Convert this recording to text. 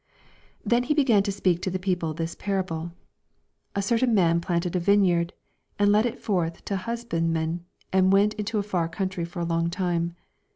9 Then began he to speak to the people this parable : A certain man planted a vineyard, and let it fbrth to husbandmen, and went into a far oountry foi a long time.